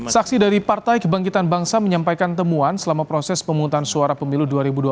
saksi dari partai kebangkitan bangsa menyampaikan temuan selama proses pemungutan suara pemilu dua ribu dua puluh